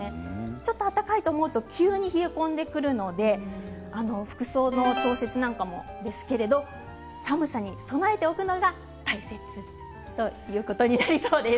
ちょっと暖かいと思うと急に冷え込んでくるので服装の調節なんかもですけれど寒さに備えておくのが大切ということになりそうです。